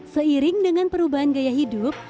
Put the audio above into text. seiring dengan perubahan gaya hidup